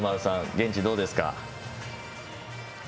現地どうですか？